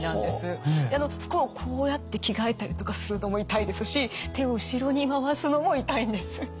であの服をこうやって着替えたりとかするのも痛いですし手を後ろに回すのも痛いんです。